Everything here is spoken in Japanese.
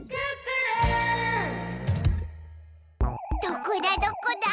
どこだどこだ？